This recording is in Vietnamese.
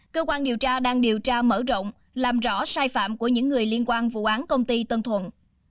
cơ quan điều tra đang điều tra mở rộng làm rõ sai phạm của những người liên quan vụ án công ty tân thuận